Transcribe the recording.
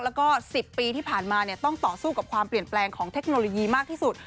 แล้วก็๑๐ปีที่ผ่านมาต้องต่อสู้กับความเปลี่ยนแปลงของเทคโนโลยีมากที่สุด